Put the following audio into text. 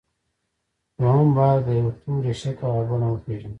دويم بايد د يوه توري شکل او بڼه وپېژنو.